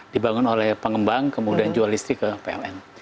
dibangun oleh pengembang kemudian jual listrik ke pln